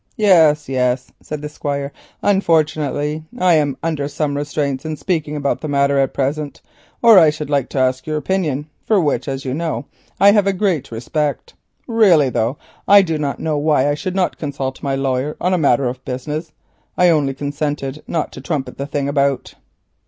"Yes, yes," said the Squire, "unfortunately I am under some restraints in speaking about the matter at present, or I should like to ask your opinion, for which as you know I have a great respect. Really, though, I do not know why I should not consult my lawyer on a matter of business; I only consented not to trumpet the thing about."